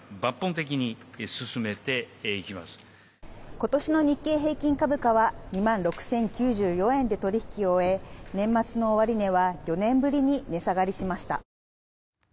「今年の日経平均株価は２万６０９４円で取引を終え年末の終値は４年ぶりに値下がりしました」